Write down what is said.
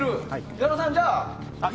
矢野さん、じゃあ。